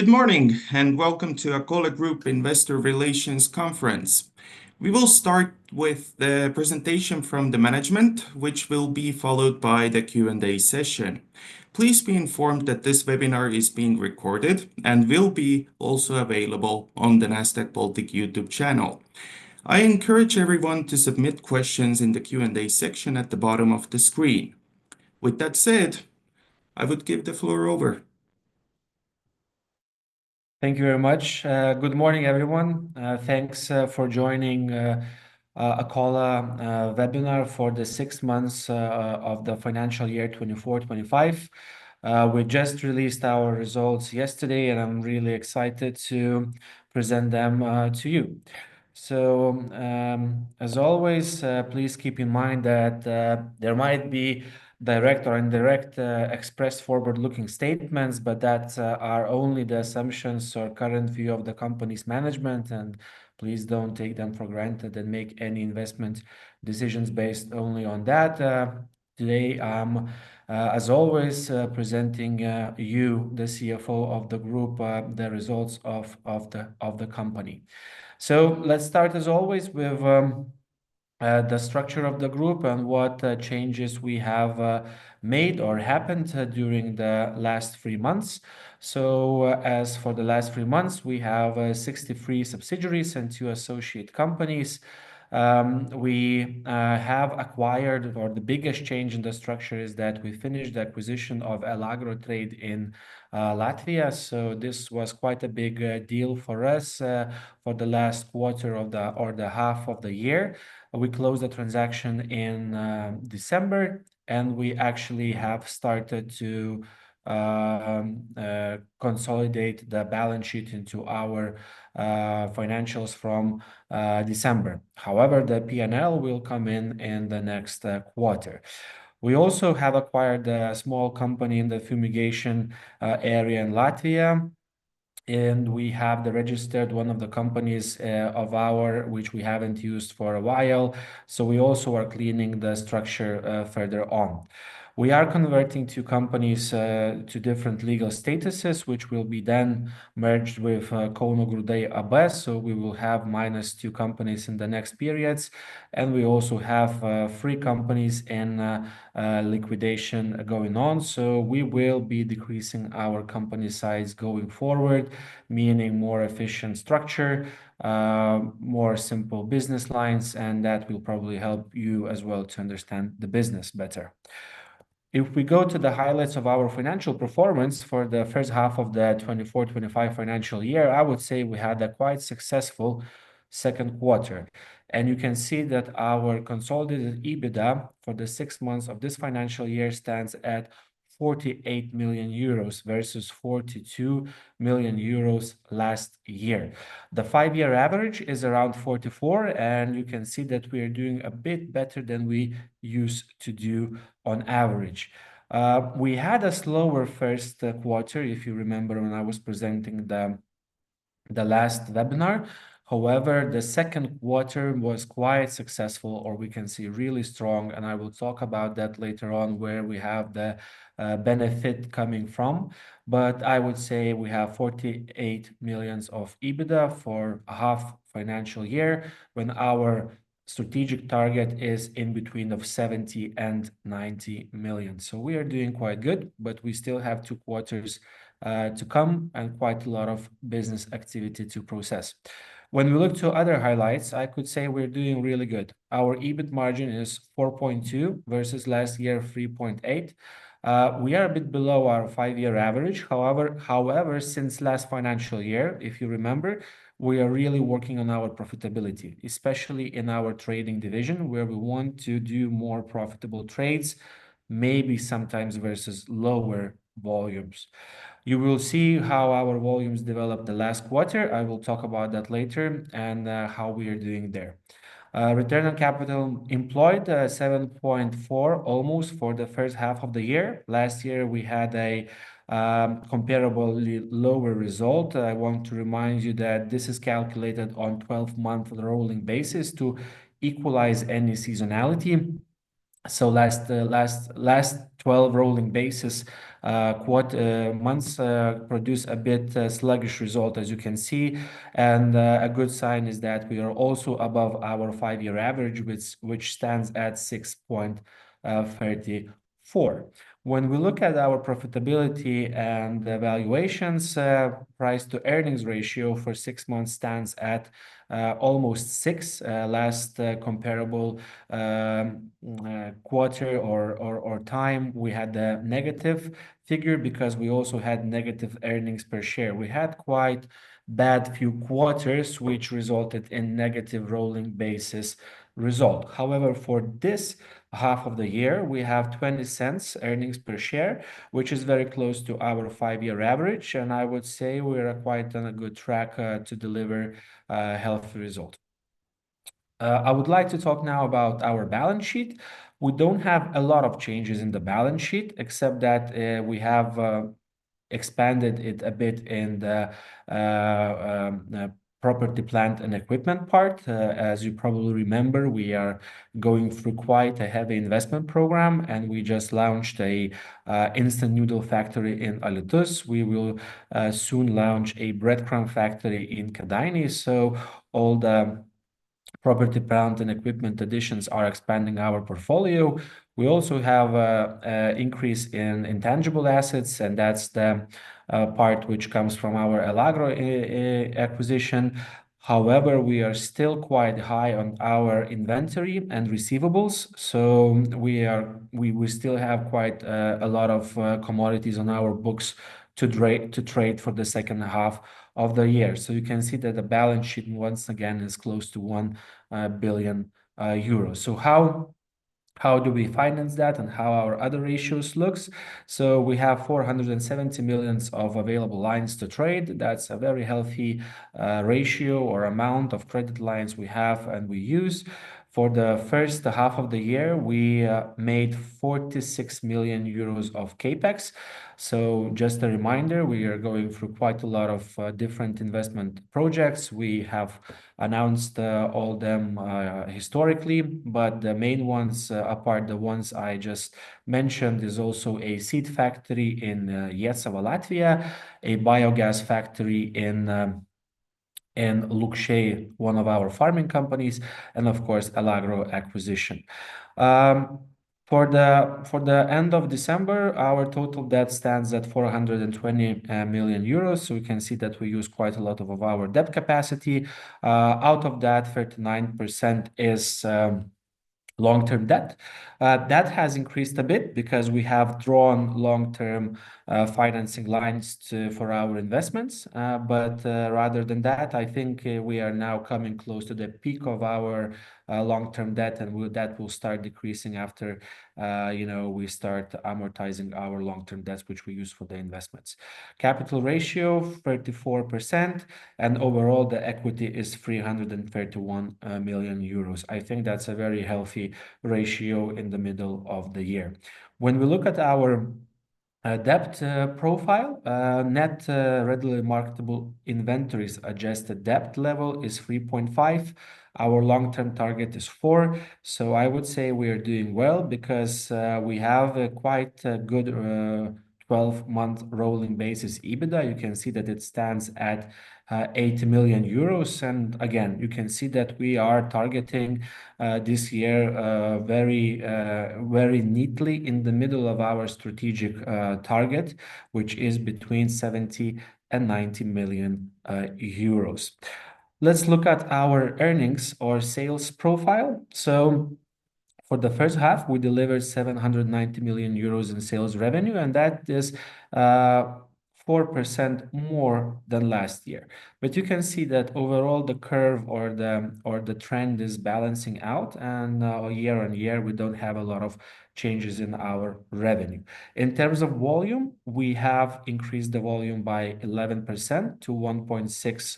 Good morning and welcome to Akola Group Investor Relations Conference. We will start with the presentation from the management, which will be followed by the Q&A session. Please be informed that this webinar is being recorded and will be also available on the Nasdaq Baltic YouTube channel. I encourage everyone to submit questions in the Q&A section at the bottom of the screen. With that said, I would give the floor over. Thank you very much. Good morning, everyone. Thanks for joining Akola Webinar for the six months of the financial year 2024/2025. We just released our results yesterday, and I'm really excited to present them to you. As always, please keep in mind that there might be direct or indirect express forward-looking statements, but that are only the assumptions or current view of the company's management. Please do not take them for granted and make any investment decisions based only on that. Today, I'm, as always, presenting you, the CFO of the group, the results of the company. Let's start, as always, with the structure of the group and what changes we have made or happened during the last three months. As for the last three months, we have 63 subsidiaries and two associate companies. We have acquired, or the biggest change in the structure is that we finished the acquisition of Elagro Trade in Latvia. This was quite a big deal for us for the last quarter or the half of the year. We closed the transaction in December, and we actually have started to consolidate the balance sheet into our financials from December. However, the P&L will come in in the next quarter. We also have acquired a small company in the fumigation area in Latvia, and we have registered one of the companies of ours, which we haven't used for a while. We also are cleaning the structure further on. We are converting two companies to different legal statuses, which will be then merged with Kauno Grūdai. We will have minus two companies in the next periods. We also have three companies in liquidation going on. We will be decreasing our company size going forward, meaning more efficient structure, more simple business lines, and that will probably help you as well to understand the business better. If we go to the highlights of our financial performance for the first half of the 2024/2025 financial year, I would say we had a quite successful second quarter. You can see that our consolidated EBITDA for the six months of this financial year stands at 48 million euros versus 42 million euros last year. The five-year average is around 44 million, and you can see that we are doing a bit better than we used to do on average. We had a slower first quarter, if you remember, when I was presenting the last webinar. However, the second quarter was quite successful, or we can see really strong, and I will talk about that later on, where we have the benefit coming from. I would say we have 48 million of EBITDA for a half financial year when our strategic target is in between of 70 million-90 million. We are doing quite good, but we still have two quarters to come and quite a lot of business activity to process. When we look to other highlights, I could say we're doing really good. Our EBIT margin is 4.2% versus last year 3.8%. We are a bit below our five-year average. However, since last financial year, if you remember, we are really working on our profitability, especially in our trading division, where we want to do more profitable trades, maybe sometimes versus lower volumes. You will see how our volumes developed the last quarter. I will talk about that later and how we are doing there. Return on capital employed, 7.4% almost for the first half of the year. Last year, we had a comparably lower result. I want to remind you that this is calculated on a 12-month rolling basis to equalize any seasonality. The last 12 rolling basis months produce a bit sluggish result, as you can see. A good sign is that we are also above our five-year average, which stands at 6.34%. When we look at our profitability and valuations, price to earnings ratio for six months stands at almost six. Last comparable quarter or time, we had a negative figure because we also had negative earnings per share. We had quite bad few quarters, which resulted in negative rolling basis result. However, for this half of the year, we have 0.20 earnings per share, which is very close to our five-year average. I would say we are quite on a good track to deliver a healthy result. I would like to talk now about our balance sheet. We do not have a lot of changes in the balance sheet, except that we have expanded it a bit in the property, plant, and equipment part. As you probably remember, we are going through quite a heavy investment program, and we just launched an instant noodle factory in Alytus. We will soon launch a breadcrumb factory in Kėdainiai. All the property, plant, and equipment additions are expanding our portfolio. We also have an increase in intangible assets, and that is the part which comes from our Elagro acquisition. However, we are still quite high on our inventory and receivables. We still have quite a lot of commodities on our books to trade for the second half of the year. You can see that the balance sheet, once again, is close to 1 billion euros. How do we finance that and how do our other ratios look? We have 470 million of available lines to trade. That is a very healthy ratio or amount of credit lines we have and we use. For the first half of the year, we made 46 million euros of CapEx. Just a reminder, we are going through quite a lot of different investment projects. We have announced all of them historically, but the main ones, apart from the ones I just mentioned, are also a seed factory in Iecava, Latvia, a biogas factory in Lukšiai, one of our farming companies, and of course, Elagro acquisition. For the end of December, our total debt stands at 420 million euros. We can see that we use quite a lot of our debt capacity. Out of that, 39% is long-term debt. That has increased a bit because we have drawn long-term financing lines for our investments. Rather than that, I think we are now coming close to the peak of our long-term debt, and that will start decreasing after we start amortizing our long-term debts, which we use for the investments. Capital ratio, 34%, and overall, the equity is 331 million euros. I think that's a very healthy ratio in the middle of the year. When we look at our debt profile, net readily marketable inventories adjusted debt level is 3.5. Our long-term target is 4. I would say we are doing well because we have a quite good 12-month rolling basis EBITDA. You can see that it stands at 8 million euros. Again, you can see that we are targeting this year very neatly in the middle of our strategic target, which is between 70 million and 90 million euros. Let's look at our earnings or sales profile. For the first half, we delivered 790 million euros in sales revenue, and that is 4% more than last year. You can see that overall, the curve or the trend is balancing out. Year on year, we do not have a lot of changes in our revenue. In terms of volume, we have increased the volume by 11% to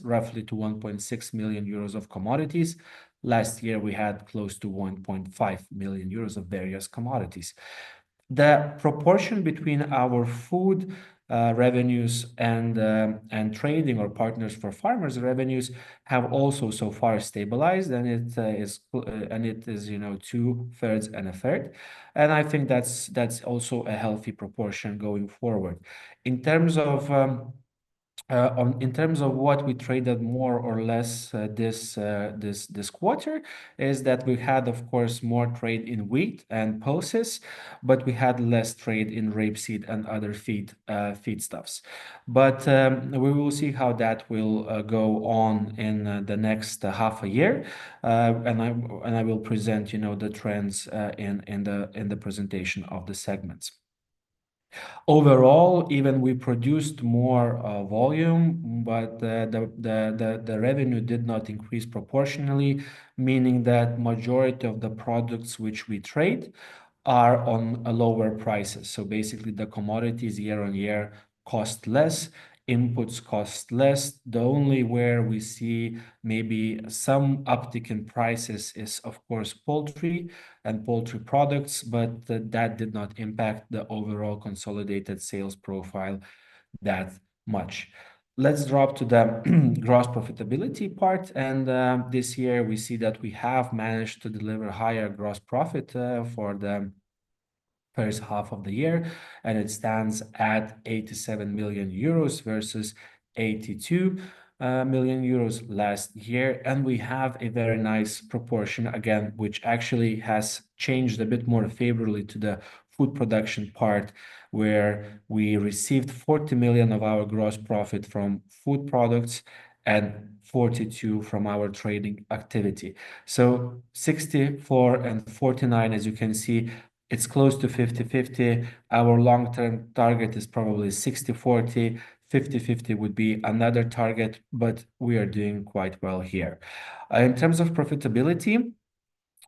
roughly 1.6 million of commodities. Last year, we had close to 1.5 million of various commodities. The proportion between our food revenues and trading or partners for farmers' revenues have also so far stabilized, and it is two-thirds and a third. I think that's also a healthy proportion going forward. In terms of what we traded more or less this quarter is that we had, of course, more trade in wheat and pulses, but we had less trade in rapeseed and other feedstuffs. We will see how that will go on in the next half a year, and I will present the trends in the presentation of the segments. Overall, even though we produced more volume, the revenue did not increase proportionally, meaning that the majority of the products which we trade are on lower prices. Basically, the commodities year on year cost less, inputs cost less. The only place where we see maybe some uptick in prices is, of course, poultry and poultry products, but that did not impact the overall consolidated sales profile that much. Let's drop to the gross profitability part. This year, we see that we have managed to deliver higher gross profit for the first half of the year, and it stands at 87 million euros versus 82 million euros last year. We have a very nice proportion again, which actually has changed a bit more favorably to the food production part, where we received 40 million of our gross profit from food products and 42 million from our trading activity. 64 and 49, as you can see, it's close to 50/50. Our long-term target is probably 60/40. 50/50 would be another target, but we are doing quite well here. In terms of profitability,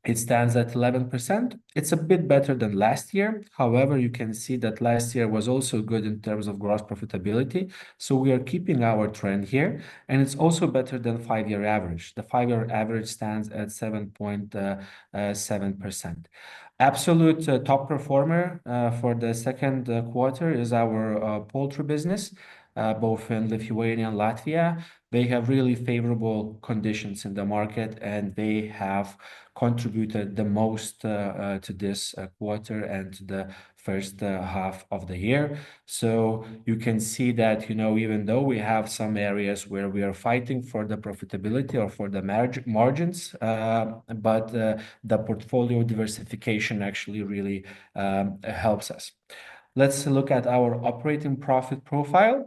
it stands at 11%. It's a bit better than last year. However, you can see that last year was also good in terms of gross profitability. We are keeping our trend here, and it's also better than five-year average. The five-year average stands at 7.7%. Absolute top performer for the second quarter is our poultry business, both in Lithuania and Latvia. They have really favorable conditions in the market, and they have contributed the most to this quarter and the first half of the year. You can see that even though we have some areas where we are fighting for the profitability or for the margins, the portfolio diversification actually really helps us. Let's look at our operating profit profile.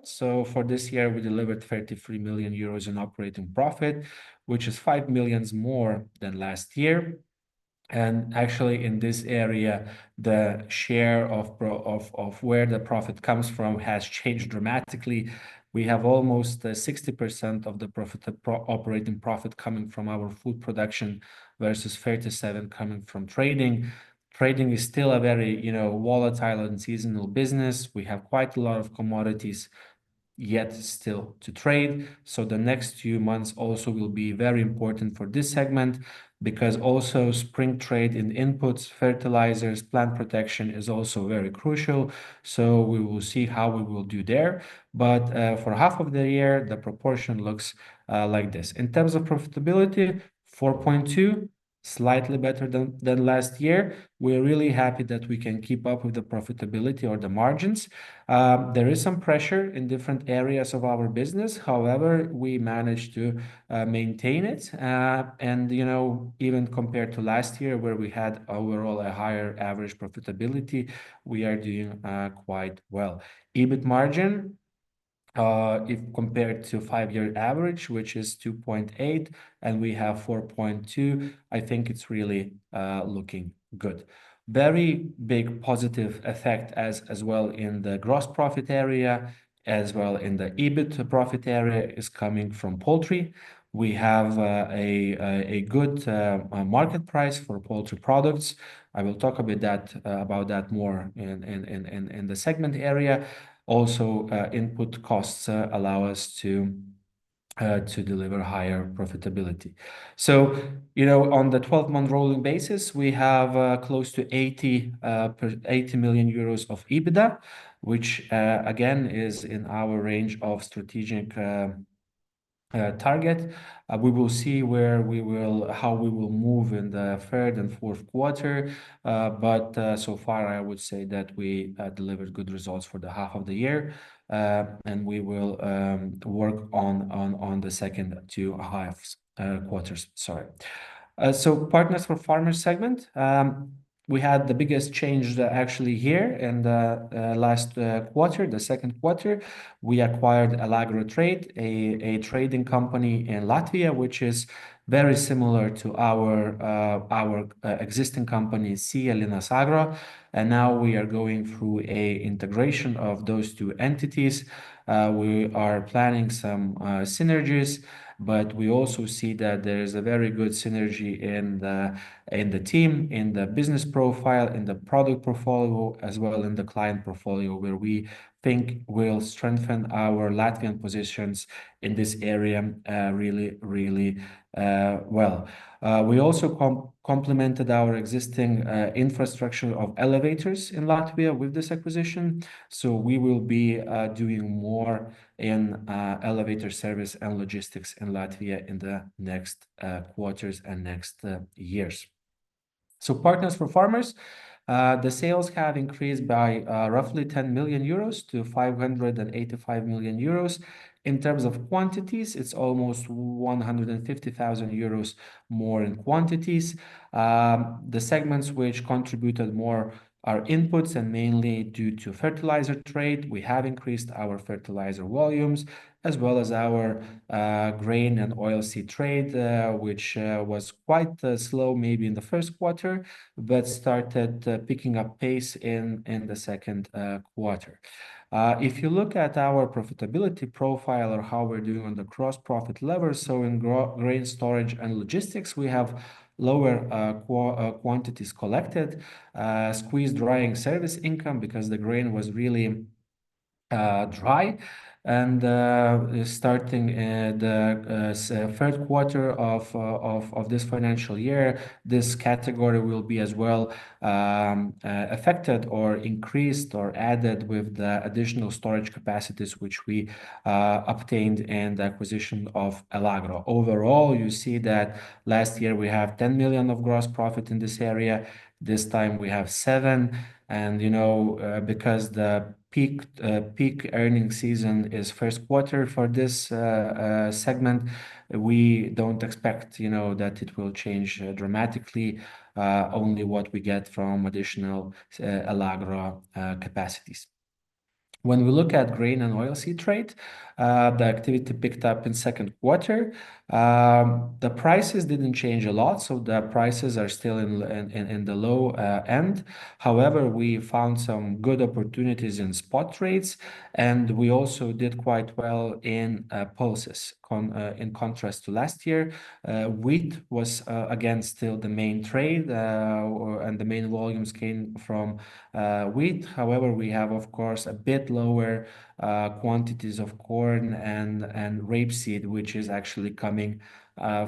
For this year, we delivered 33 million euros in operating profit, which is 5 million more than last year. Actually, in this area, the share of where the profit comes from has changed dramatically. We have almost 60% of the operating profit coming from our food production versus 37% coming from trading. Trading is still a very volatile and seasonal business. We have quite a lot of commodities yet still to trade. The next few months also will be very important for this segment because also spring trade in inputs, fertilizers, plant protection is also very crucial. We will see how we will do there. For half of the year, the proportion looks like this. In terms of profitability, 4.2, slightly better than last year. We are really happy that we can keep up with the profitability or the margins. There is some pressure in different areas of our business. However, we managed to maintain it. Even compared to last year, where we had overall a higher average profitability, we are doing quite well. EBIT margin, if compared to five-year average, which is 2.8, and we have 4.2, I think it's really looking good. Very big positive effect as well in the gross profit area, as well in the EBIT profit area is coming from poultry. We have a good market price for poultry products. I will talk a bit about that more in the segment area. Also, input costs allow us to deliver higher profitability. On the 12-month rolling basis, we have close to 80 million euros of EBITDA, which again is in our range of strategic target. We will see how we will move in the third and fourth quarter. I would say that we delivered good results for the half of the year, and we will work on the second two half quarters. Sorry. Partners for farmers segment, we had the biggest change actually here in the last quarter, the second quarter. We acquired Elagro Trade, a trading company in Latvia, which is very similar to our existing company, SIA Linas Agro. We are now going through an integration of those two entities. We are planning some synergies, but we also see that there is a very good synergy in the team, in the business profile, in the product portfolio, as well as in the client portfolio, where we think we will strengthen our Latvian positions in this area really, really well. We also complemented our existing infrastructure of elevators in Latvia with this acquisition. We will be doing more in elevator service and logistics in Latvia in the next quarters and next years. Partners for farmers, the sales have increased by roughly 10 million-585 million euros. In terms of quantities, it is almost 150,000 more in quantities. The segments which contributed more are inputs and mainly due to fertilizer trade. We have increased our fertilizer volumes, as well as our grain and oilseed trade, which was quite slow maybe in the first quarter, but started picking up pace in the second quarter. If you look at our profitability profile or how we're doing on the gross profit level, in grain storage and logistics, we have lower quantities collected, squeezed drying service income because the grain was really dry. Starting the third quarter of this financial year, this category will be as well affected or increased or added with the additional storage capacities which we obtained in the acquisition of Elagro. Overall, you see that last year we have 10 million of gross profit in this area. This time we have 7 million. Because the peak earning season is first quarter for this segment, we do not expect that it will change dramatically, only what we get from additional Elagro capacities. When we look at grain and oilseed trade, the activity picked up in second quarter. The prices did not change a lot, so the prices are still in the low end. However, we found some good opportunities in spot trades, and we also did quite well in pulses. In contrast to last year, wheat was again still the main trade, and the main volumes came from wheat. However, we have, of course, a bit lower quantities of corn and rapeseed, which is actually coming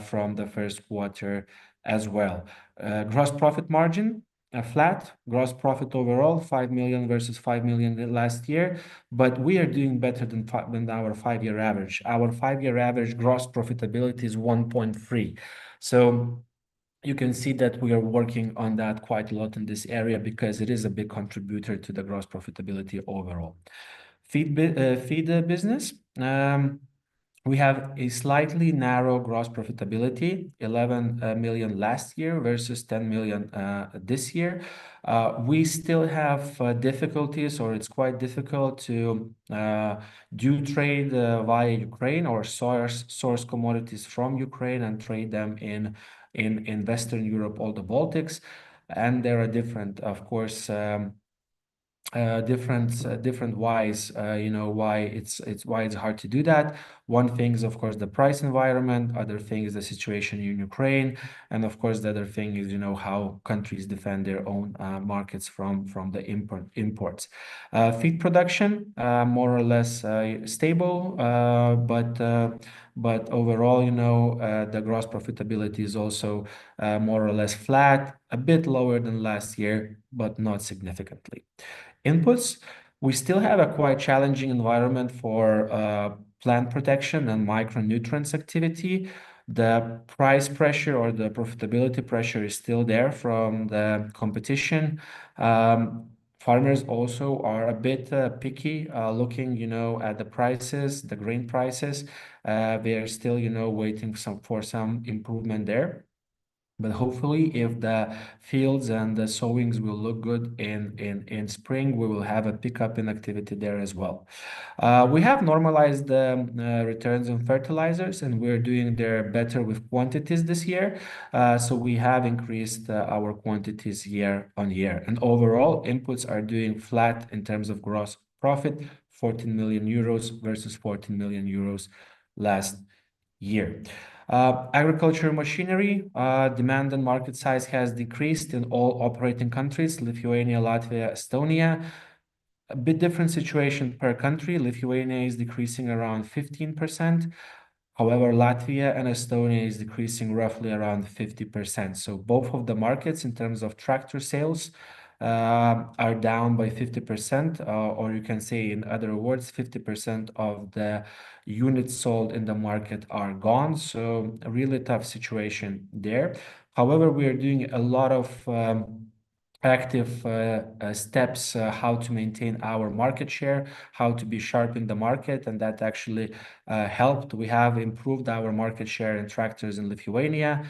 from the first quarter as well. Gross profit margin, flat. Gross profit overall, 5 million versus 5 million last year. We are doing better than our five-year average. Our five-year average gross profitability is 1.3. You can see that we are working on that quite a lot in this area because it is a big contributor to the gross profitability overall. Feed business, we have a slightly narrow gross profitability, 11 million last year versus 10 million this year. We still have difficulties, or it's quite difficult to do trade via Ukraine or source commodities from Ukraine and trade them in Western Europe, all the Baltics. There are different, of course, different whys, why it's hard to do that. One thing is, of course, the price environment. Other thing is the situation in Ukraine. Of course, the other thing is how countries defend their own markets from the imports. Feed production, more or less stable, but overall, the gross profitability is also more or less flat, a bit lower than last year, but not significantly. Inputs, we still have a quite challenging environment for plant protection and micronutrients activity. The price pressure or the profitability pressure is still there from the competition. Farmers also are a bit picky looking at the prices, the grain prices. They are still waiting for some improvement there. Hopefully, if the fields and the sowings will look good in spring, we will have a pickup in activity there as well. We have normalized the returns on fertilizers, and we are doing better with quantities this year. We have increased our quantities year on year. Overall, inputs are doing flat in terms of gross profit, 14 million euros versus 14 million euros last year. Agriculture machinery, demand and market size has decreased in all operating countries, Lithuania, Latvia, Estonia. A bit different situation per country. Lithuania is decreasing around 15%. However, Latvia and Estonia is decreasing roughly around 50%. Both of the markets in terms of tractor sales are down by 50%, or you can say in other words, 50% of the units sold in the market are gone. Really tough situation there. However, we are doing a lot of active steps how to maintain our market share, how to be sharp in the market, and that actually helped. We have improved our market share in tractors in Lithuania.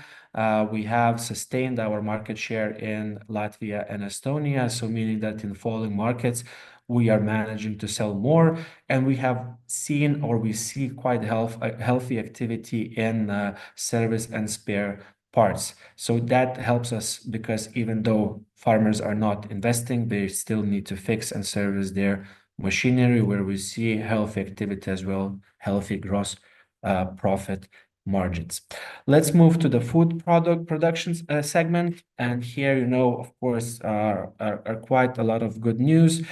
We have sustained our market share in Latvia and Estonia, so meaning that in falling markets, we are managing to sell more. We have seen or we see quite healthy activity in service and spare parts. That helps us because even though farmers are not investing, they still need to fix and service their machinery where we see healthy activity as well, healthy gross profit margins. Let's move to the food product production segment. Here, of course, are quite a lot of good news.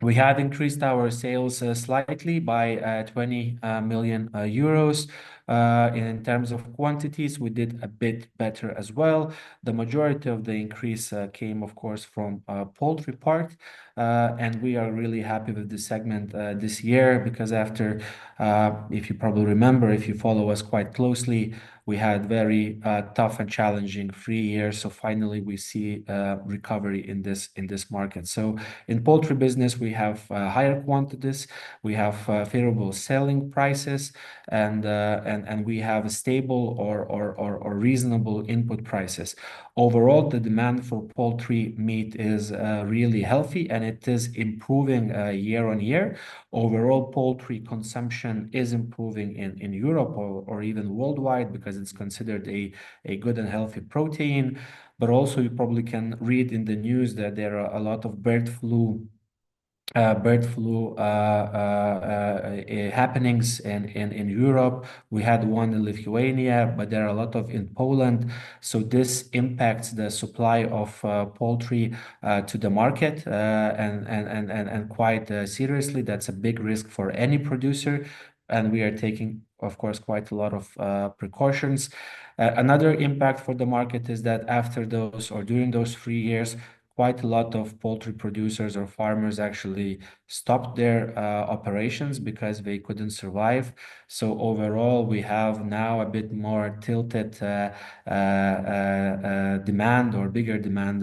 We have increased our sales slightly by 20 million euros. In terms of quantities, we did a bit better as well. The majority of the increase came, of course, from poultry part. We are really happy with this segment this year because after, if you probably remember, if you follow us quite closely, we had a very tough and challenging three years. Finally, we see recovery in this market. In poultry business, we have higher quantities, we have favorable selling prices, and we have stable or reasonable input prices. Overall, the demand for poultry meat is really healthy, and it is improving year on year. Overall, poultry consumption is improving in Europe or even worldwide because it is considered a good and healthy protein. You probably can read in the news that there are a lot of bird flu happenings in Europe. We had one in Lithuania, but there are a lot in Poland. This impacts the supply of poultry to the market quite seriously. That's a big risk for any producer. We are taking, of course, quite a lot of precautions. Another impact for the market is that after those or during those three years, quite a lot of poultry producers or farmers actually stopped their operations because they couldn't survive. Overall, we have now a bit more tilted demand or bigger demand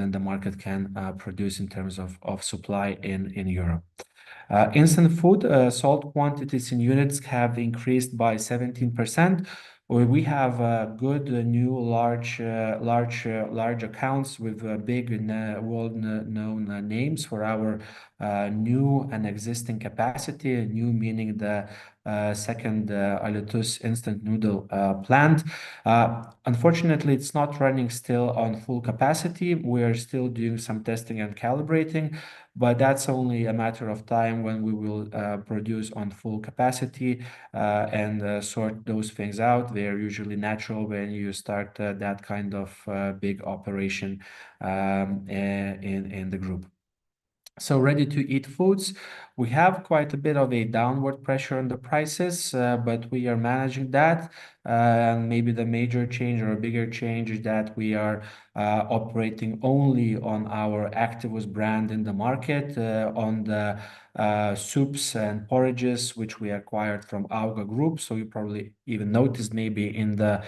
than the market can produce in terms of supply in Europe. Instant food, sold quantities in units have increased by 17%. We have good new large accounts with big world-known names for our new and existing capacity, new meaning the second Alytus instant noodle plant. Unfortunately, it's not running still on full capacity. We are still doing some testing and calibrating, but that's only a matter of time when we will produce on full capacity and sort those things out. They are usually natural when you start that kind of big operation in the group. Ready to eat foods, we have quite a bit of a downward pressure on the prices, but we are managing that. Maybe the major change or a bigger change is that we are operating only on our Activus brand in the market, on the soups and porridges, which we acquired from AUGA Group. You probably even noticed maybe in the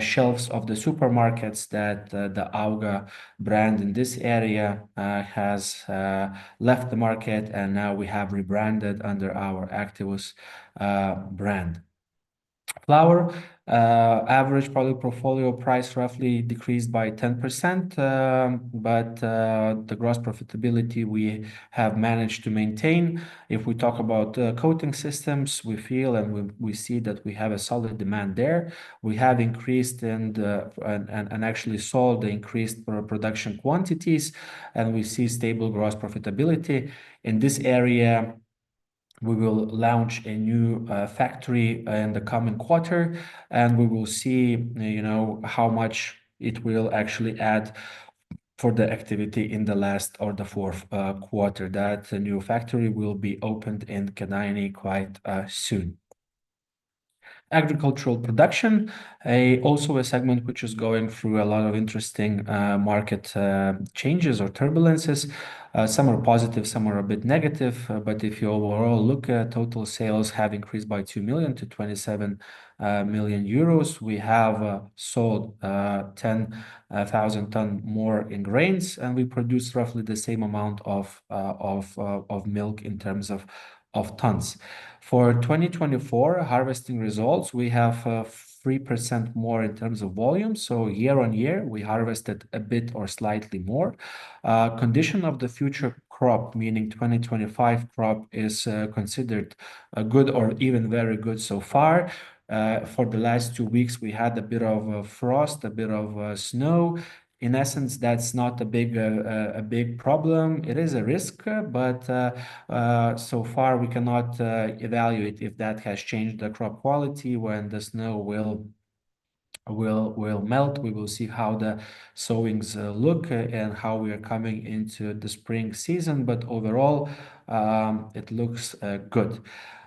shelves of the supermarkets that the AUGA brand in this area has left the market, and now we have rebranded under our Activus brand. Flour, average product portfolio price roughly decreased by 10%, but the gross profitability we have managed to maintain. If we talk about coating systems, we feel and we see that we have a solid demand there. We have increased and actually sold the increased production quantities, and we see stable gross profitability. In this area, we will launch a new factory in the coming quarter, and we will see how much it will actually add for the activity in the last or the fourth quarter. That new factory will be opened in Kėdainiai quite soon. Agricultural production, also a segment which is going through a lot of interesting market changes or turbulences. Some are positive, some are a bit negative, but if you overall look, total sales have increased by 2 million-27 million euros. We have sold 10,000 tons more in grains, and we produce roughly the same amount of milk in terms of tons. For 2024 harvesting results, we have 3% more in terms of volume. Year on year, we harvested a bit or slightly more. Condition of the future crop, meaning 2025 crop, is considered good or even very good so far. For the last two weeks, we had a bit of frost, a bit of snow. In essence, that's not a big problem. It is a risk, but so far we cannot evaluate if that has changed the crop quality. When the snow will melt, we will see how the sowings look and how we are coming into the spring season. Overall, it looks good.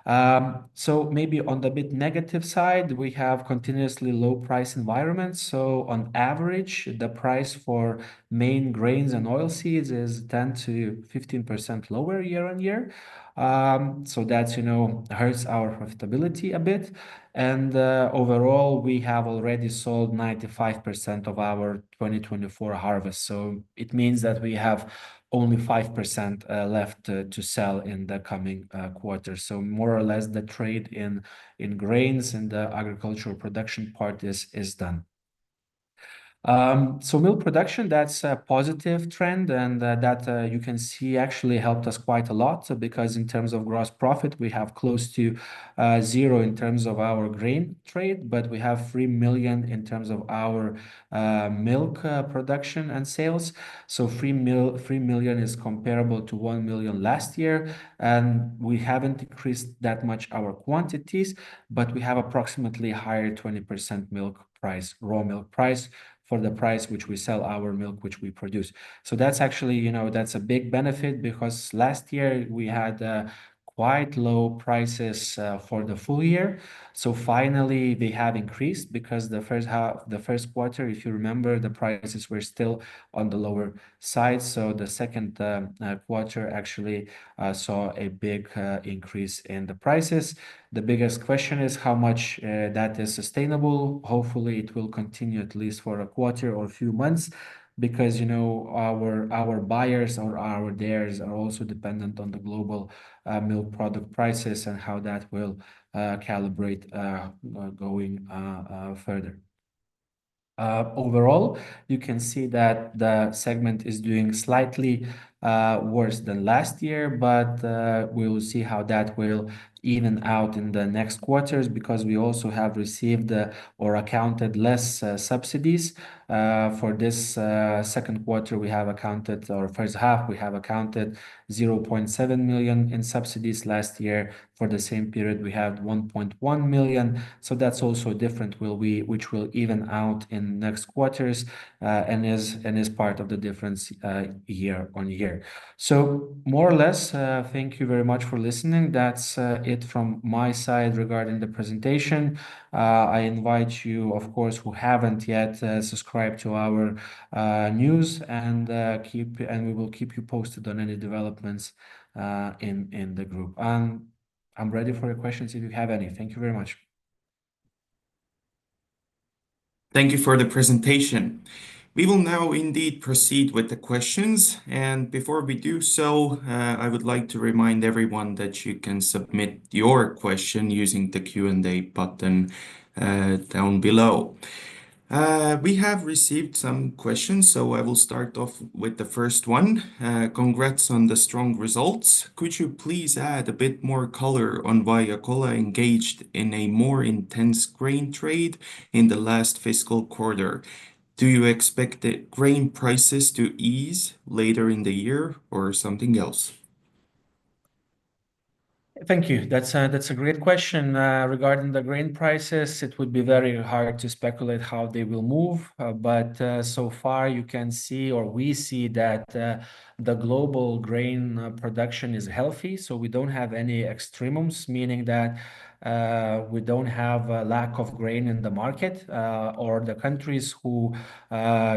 Maybe on the bit negative side, we have continuously low price environments. On average, the price for main grains and oilseeds is 10%-15% lower year on year. That hurts our profitability a bit. Overall, we have already sold 95% of our 2024 harvest. It means that we have only 5% left to sell in the coming quarter. More or less the trade in grains and the agricultural production part is done. Milk production, that's a positive trend. That you can see actually helped us quite a lot because in terms of gross profit, we have close to zero in terms of our grain trade, but we have 3 million in terms of our milk production and sales. 3 million is comparable to 1 million last year. We have not increased that much our quantities, but we have approximately higher 20% milk price, raw milk price for the price which we sell our milk which we produce. That is actually a big benefit because last year we had quite low prices for the full year. Finally, they have increased because the first quarter, if you remember, the prices were still on the lower side. The second quarter actually saw a big increase in the prices. The biggest question is how much that is sustainable. Hopefully, it will continue at least for a quarter or a few months because our buyers or our dairies are also dependent on the global milk product prices and how that will calibrate going further. Overall, you can see that the segment is doing slightly worse than last year, but we will see how that will even out in the next quarters because we also have received or accounted less subsidies for this second quarter. We have accounted or first half, we have accounted 0.7 million in subsidies last year. For the same period, we have 1.1 million. That is also different, which will even out in next quarters and is part of the difference year on year. More or less, thank you very much for listening. That is it from my side regarding the presentation. I invite you, of course, who have not yet subscribed to our news and we will keep you posted on any developments in the group. I am ready for your questions if you have any. Thank you very much. Thank you for the presentation. We will now indeed proceed with the questions. Before we do so, I would like to remind everyone that you can submit your question using the Q&A button down below. We have received some questions, so I will start off with the first one. Congrats on the strong results. Could you please add a bit more color on why Akola engaged in a more intense grain trade in the last fiscal quarter? Do you expect the grain prices to ease later in the year or something else? Thank you. That's a great question. Regarding the grain prices, it would be very hard to speculate how they will move. So far, you can see or we see that the global grain production is healthy. We do not have any extremums, meaning that we do not have a lack of grain in the market or the countries who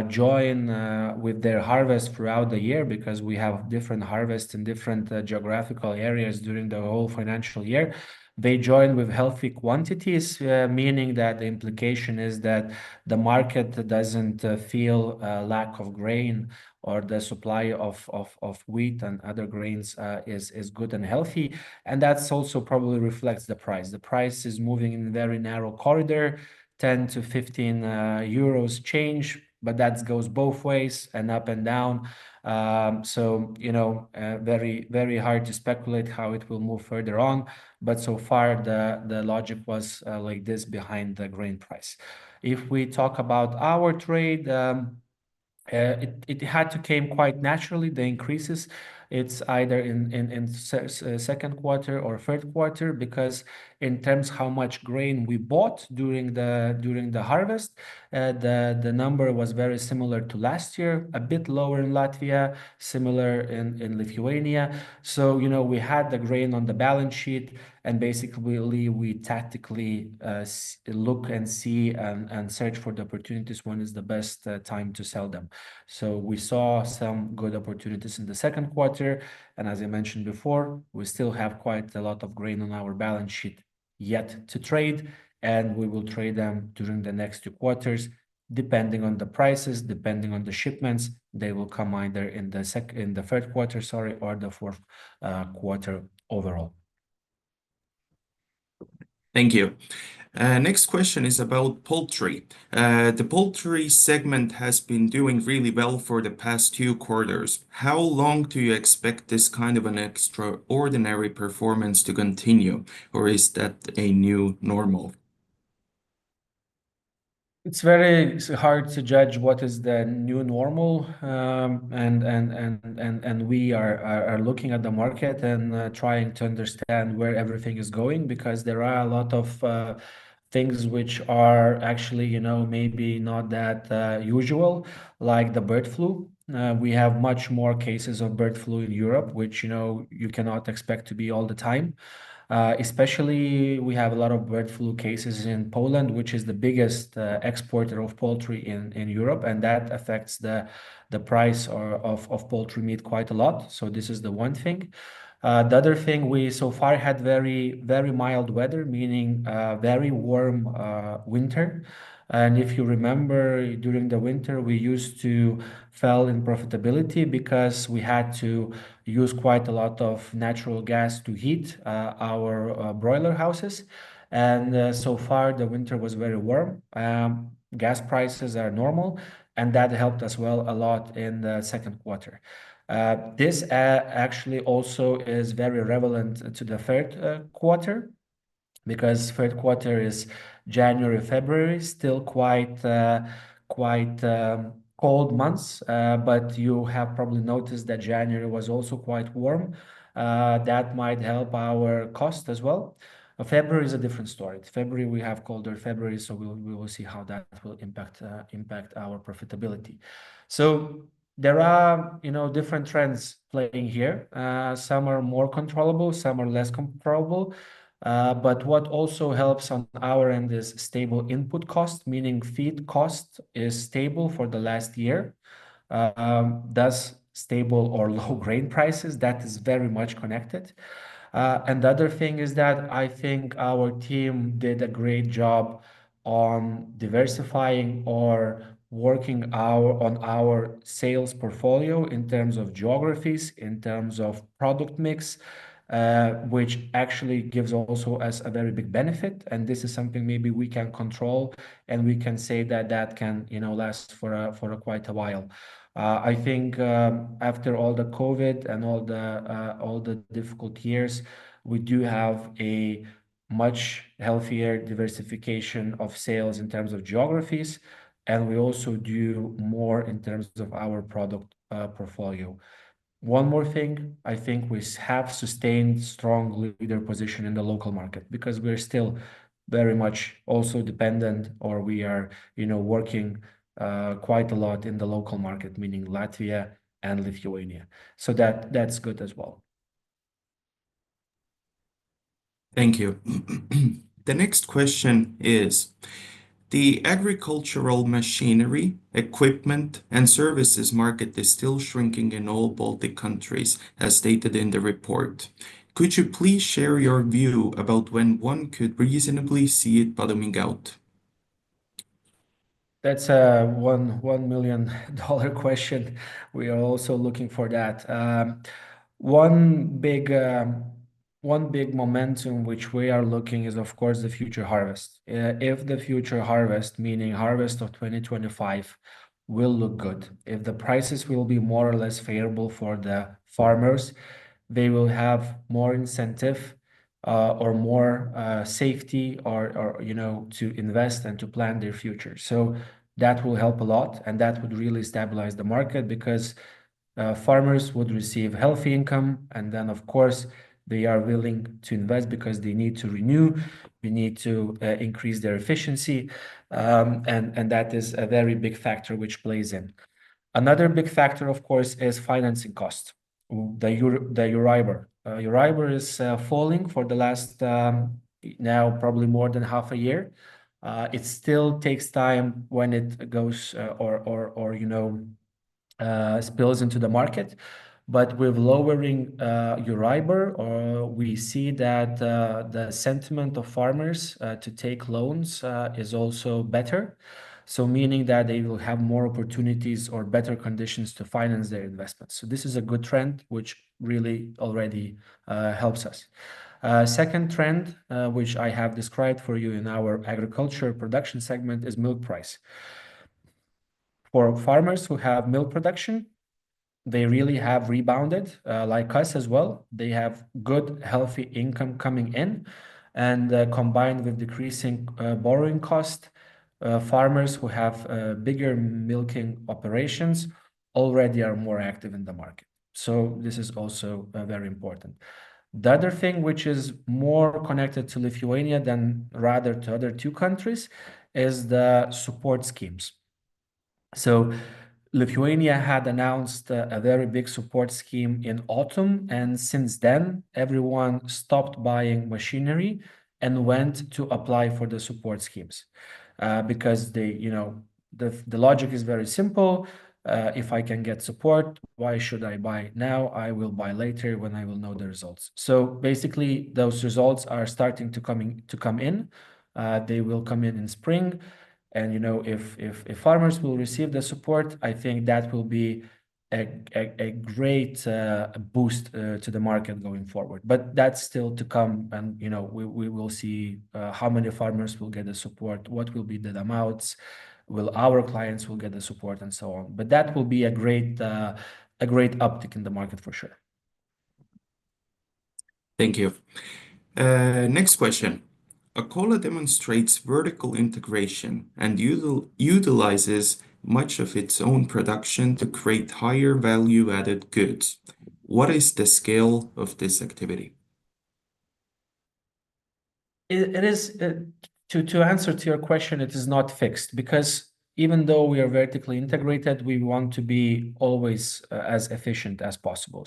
join with their harvest throughout the year because we have different harvests in different geographical areas during the whole financial year. They join with healthy quantities, meaning that the implication is that the market does not feel a lack of grain or the supply of wheat and other grains is good and healthy. That also probably reflects the price. The price is moving in a very narrow corridor, 10-15 euros change, but that goes both ways and up and down. It is very hard to speculate how it will move further on. So far, the logic was like this behind the grain price. If we talk about our trade, it had to come quite naturally, the increases. It's either in second quarter or third quarter because in terms of how much grain we bought during the harvest, the number was very similar to last year, a bit lower in Latvia, similar in Lithuania. We had the grain on the balance sheet, and basically, we tactically look and see and search for the opportunities when is the best time to sell them. We saw some good opportunities in the second quarter. As I mentioned before, we still have quite a lot of grain on our balance sheet yet to trade, and we will trade them during the next two quarters, depending on the prices, depending on the shipments. They will come either in the third quarter, sorry, or the fourth quarter overall. Thank you. Next question is about poultry. The poultry segment has been doing really well for the past two quarters. How long do you expect this kind of an extraordinary performance to continue, or is that a new normal? It's very hard to judge what is the new normal. We are looking at the market and trying to understand where everything is going because there are a lot of things which are actually maybe not that usual, like the bird flu. We have much more cases of bird flu in Europe, which you cannot expect to be all the time. Especially, we have a lot of bird flu cases in Poland, which is the biggest exporter of poultry in Europe, and that affects the price of poultry meat quite a lot. This is the one thing. The other thing, we so far had very mild weather, meaning very warm winter. If you remember, during the winter, we used to fall in profitability because we had to use quite a lot of natural gas to heat our broiler houses. So far, the winter was very warm. Gas prices are normal, and that helped us well a lot in the second quarter. This actually also is very relevant to the third quarter because third quarter is January, February, still quite cold months, but you have probably noticed that January was also quite warm. That might help our cost as well. February is a different story. February, we have colder February, so we will see how that will impact our profitability. There are different trends playing here. Some are more controllable. Some are less controllable. What also helps on our end is stable input cost, meaning feed cost is stable for the last year. Thus, stable or low grain prices, that is very much connected. The other thing is that I think our team did a great job on diversifying or working on our sales portfolio in terms of geographies, in terms of product mix, which actually gives also us a very big benefit. This is something maybe we can control, and we can say that that can last for quite a while. I think after all the COVID and all the difficult years, we do have a much healthier diversification of sales in terms of geographies, and we also do more in terms of our product portfolio. One more thing, I think we have sustained strong leader position in the local market because we're still very much also dependent or we are working quite a lot in the local market, meaning Latvia and Lithuania. That is good as well. Thank you. The next question is, the agricultural machinery, equipment, and services market is still shrinking in all Baltic countries, as stated in the report. Could you please share your view about when one could reasonably see it bottoming out? That's a $1 million question. We are also looking for that. One big momentum which we are looking is, of course, the future harvest. If the future harvest, meaning harvest of 2025, will look good, if the prices will be more or less favorable for the farmers, they will have more incentive or more safety to invest and to plan their future. That will help a lot, and that would really stabilize the market because farmers would receive healthy income. Of course, they are willing to invest because they need to renew. They need to increase their efficiency. That is a very big factor which plays in. Another big factor, of course, is financing cost. The Euribor is falling for the last now probably more than half a year. It still takes time when it goes or spills into the market. With lowering Euribor, we see that the sentiment of farmers to take loans is also better. Meaning that they will have more opportunities or better conditions to finance their investments. This is a good trend which really already helps us. The second trend, which I have described for you in our agriculture production segment, is milk price. For farmers who have milk production, they really have rebounded like us as well. They have good healthy income coming in. Combined with decreasing borrowing cost, farmers who have bigger milking operations already are more active in the market. This is also very important. The other thing which is more connected to Lithuania rather than to the other two countries is the support schemes. Lithuania had announced a very big support scheme in autumn. Since then, everyone stopped buying machinery and went to apply for the support schemes because the logic is very simple. If I can get support, why should I buy now? I will buy later when I know the results. Basically, those results are starting to come in. They will come in in spring. If farmers receive the support, I think that will be a great boost to the market going forward. That is still to come. We will see how many farmers will get the support, what will be the amounts, will our clients get the support, and so on. That will be a great uptick in the market for sure. Thank you. Next question. Akola demonstrates vertical integration and utilizes much of its own production to create higher value-added goods. What is the scale of this activity? To answer to your question, it is not fixed because even though we are vertically integrated, we want to be always as efficient as possible.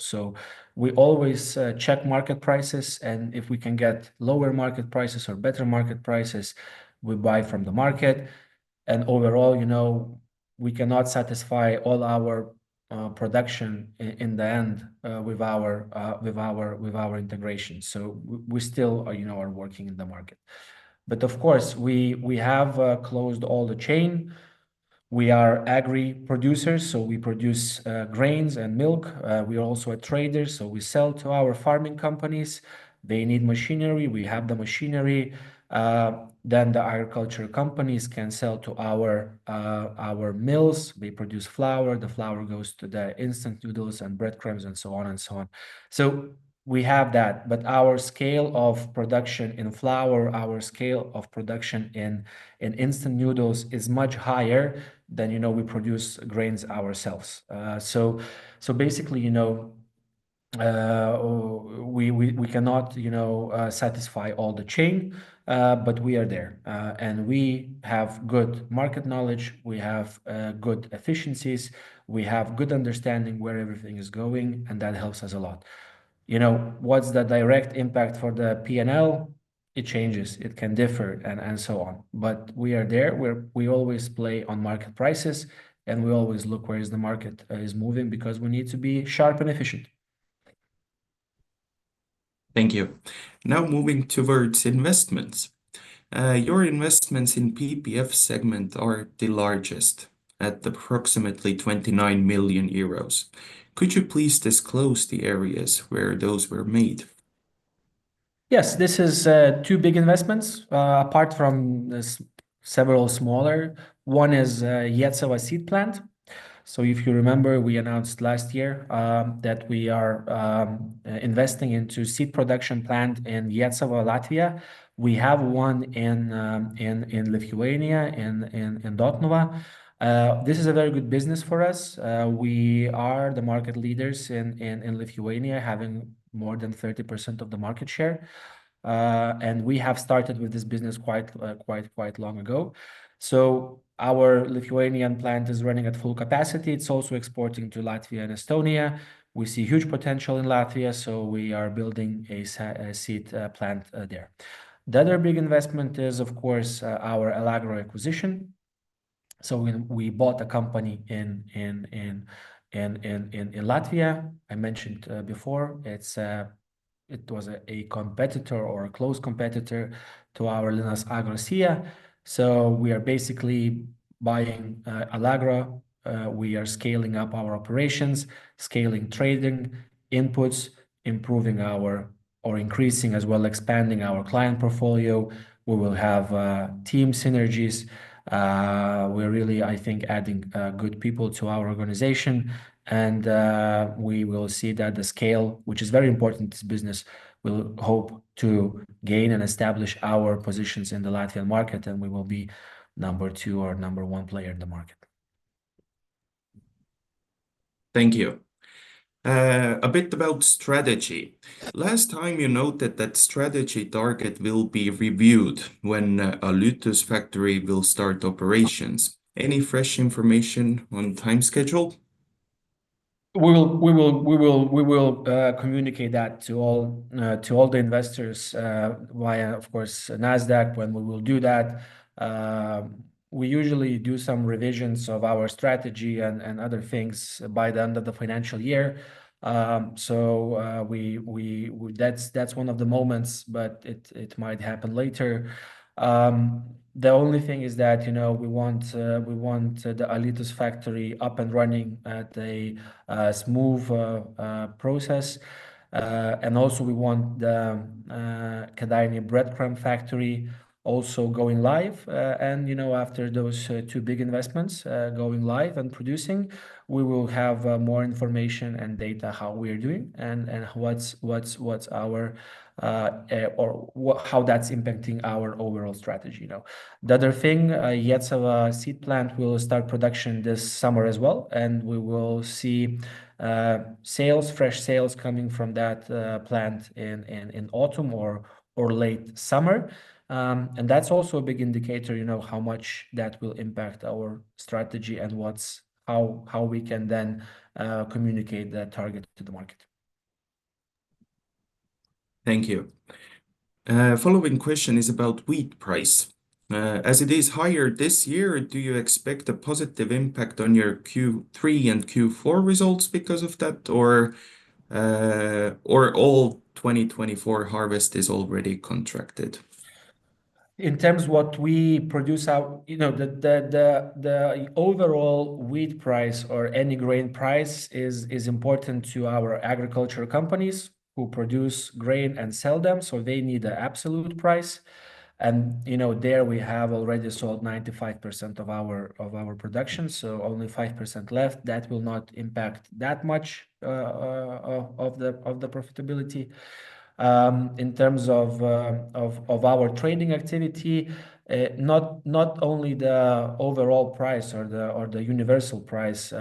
We always check market prices. If we can get lower market prices or better market prices, we buy from the market. Overall, we cannot satisfy all our production in the end with our integration. We still are working in the market. Of course, we have closed all the chain. We are agri producers, so we produce grains and milk. We are also a trader, so we sell to our farming companies. They need machinery. We have the machinery. The agriculture companies can sell to our mills. They produce flour. The flour goes to the instant noodles and breadcrumbs and so on and so on. We have that. Our scale of production in flour, our scale of production in instant noodles is much higher than we produce grains ourselves. Basically, we cannot satisfy all the chain, but we are there. We have good market knowledge. We have good efficiencies. We have good understanding where everything is going, and that helps us a lot. What's the direct impact for the P&L? It changes. It can differ and so on. We are there. We always play on market prices, and we always look where the market is moving because we need to be sharp and efficient. Thank you. Now moving towards investments. Your investments in PPF segment are the largest at approximately 29 million euros. Could you please disclose the areas where those were made? Yes, this is two big investments apart from several smaller. One is Iecava Seed Plant. If you remember, we announced last year that we are investing into seed production plant in Iecava, Latvia. We have one in Lithuania and in Dotnuva. This is a very good business for us. We are the market leaders in Lithuania, having more than 30% of the market share. We have started with this business quite long ago. Our Lithuanian plant is running at full capacity. It is also exporting to Latvia and Estonia. We see huge potential in Latvia, so we are building a seed plant there. The other big investment is, of course, our Elagro acquisition. We bought a company in Latvia. I mentioned before, it was a competitor or a close competitor to our Linas Agro SIA. We are basically buying Elagro. We are scaling up our operations, scaling trading inputs, improving or increasing as well as expanding our client portfolio. We will have team synergies. We're really, I think, adding good people to our organization. We will see that the scale, which is very important to this business, will hope to gain and establish our positions in the Latvian market, and we will be number two or number one player in the market. Thank you. A bit about strategy. Last time, you noted that strategy target will be reviewed when Alytus factory will start operations. Any fresh information on ti me schedule? We will communicate that to all the investors via, of course, Nasdaq when we will do that. We usually do some revisions of our strategy and other things by the end of the financial year. That is one of the moments, but it might happen later. The only thing is that we want the Alytus factory up and running at a smooth process. Also, we want the Kėdainiai breadcrumb factory going live. After those two big investments are going live and producing, we will have more information and data on how we are doing and how that is impacting our overall strategy. The other thing, Iecava seed plant will start production this summer as well. We will see fresh sales coming from that plant in autumn or late summer. That is also a big indicator of how much that will impact our strategy and how we can then communicate that target to the market. Thank you. The following question is about wheat price. As it is higher this year, do you expect a positive impact on your Q3 and Q4 results because of that, or is all 2024 harvest already contracted? In terms of what we produce, the overall wheat price or any grain price is important to our agriculture companies who produce grain and sell them. They need an absolute price. There we have already sold 95% of our production, so only 5% left. That will not impact that much of the profitability. In terms of our trading activity, not only the overall price or the universal price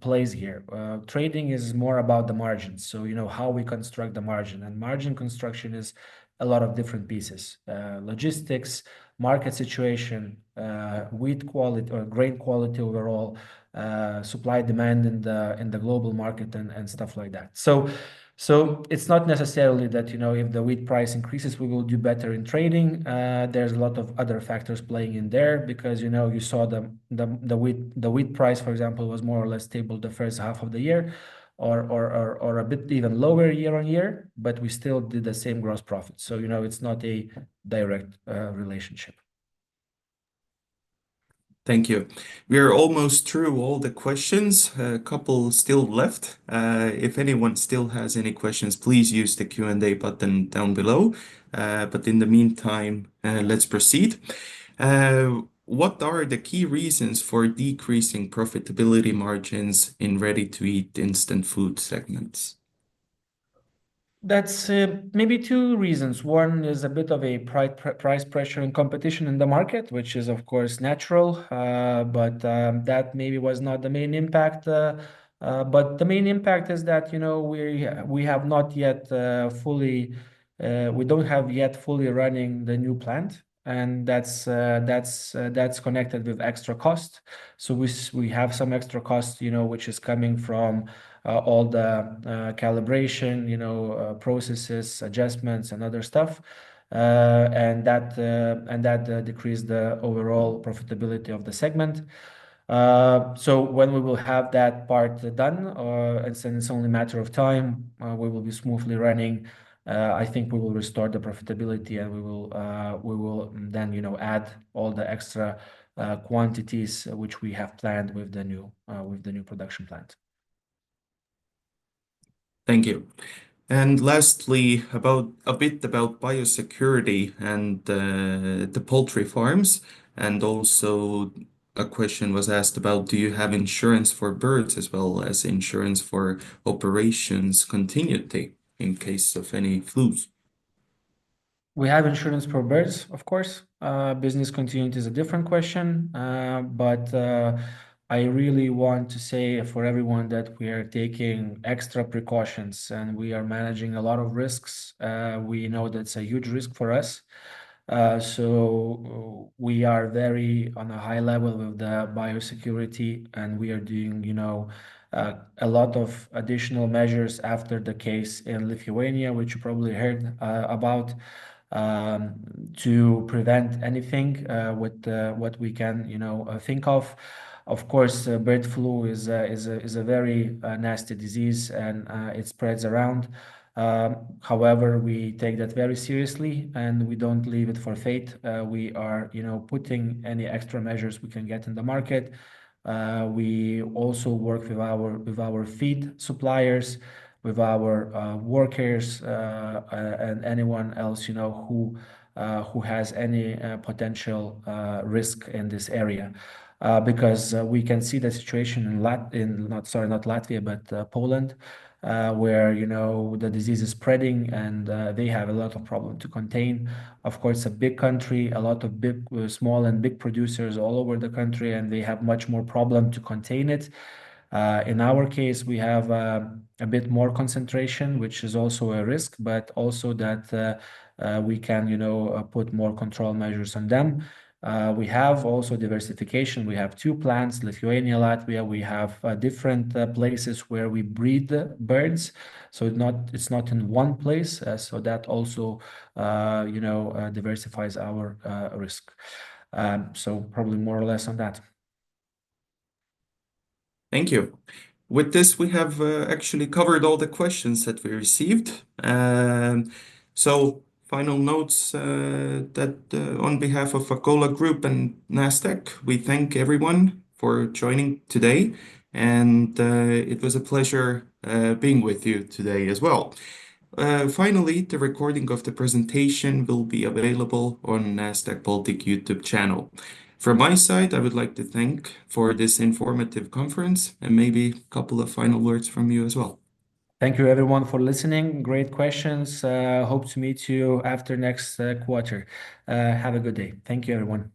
plays here. Trading is more about the margins, how we construct the margin. Margin construction is a lot of different pieces: logistics, market situation, wheat quality, or grain quality overall, supply demand in the global market, and stuff like that. It is not necessarily that if the wheat price increases, we will do better in trading. There's a lot of other factors playing in there because you saw the wheat price, for example, was more or less stable the first half of the year or a bit even lower year on year, but we still did the same gross profit. It is not a direct relationship. Thank you. We are almost through all the questions. A couple still left. If anyone still has any questions, please use the Q&A button down below. In the meantime, let's proceed. What are the key reasons for decreasing profitability margins in ready-to-eat instant food segments? That's maybe two reasons. One is a bit of a price pressure and competition in the market, which is, of course, natural. That maybe was not the main impact. The main impact is that we have not yet fully, we don't have yet fully running the new plant. That is connected with extra cost. We have some extra cost, which is coming from all the calibration processes, adjustments, and other stuff. That decreased the overall profitability of the segment. When we have that part done, and it is only a matter of time, we will be smoothly running. I think we will restore the profitability, and we will then add all the extra quantities which we have planned with the new production plant. Thank you. Lastly, a bit about biosecurity and the poultry farms. Also, a question was asked about, do you have insurance for birds as well as insurance for operations continuity in case of any flues? We have insurance for birds, of course. Business continuity is a different question. I really want to say for everyone that we are taking extra precautions, and we are managing a lot of risks. We know that's a huge risk for us. We are very on a high level with the biosecurity, and we are doing a lot of additional measures after the case in Lithuania, which you probably heard about, to prevent anything with what we can think of. Of course, bird flu is a very nasty disease, and it spreads around. However, we take that very seriously, and we don't leave it for fate. We are putting any extra measures we can get in the market. We also work with our feed suppliers, with our workers, and anyone else who has any potential risk in this area because we can see the situation in, sorry, not Latvia, but Poland, where the disease is spreading, and they have a lot of problem to contain. Of course, a big country, a lot of small and big producers all over the country, and they have much more problem to contain it. In our case, we have a bit more concentration, which is also a risk, but also that we can put more control measures on them. We have also diversification. We have two plants, Lithuania, Latvia. We have different places where we breed the birds. It is not in one place. That also diversifies our risk. Probably more or less on that. Thank you. With this, we have actually covered all the questions that we received. Final notes that on behalf of Akola Group and Nasdaq, we thank everyone for joining today. It was a pleasure being with you today as well. Finally, the recording of the presentation will be available on Nasdaq Baltic YouTube channel. From my side, I would like to thank for this informative conference and maybe a couple of final words from you as well. Thank you, everyone, for listening. Great questions. Hope to meet you after next quarter. Have a good day. Thank you, everyone.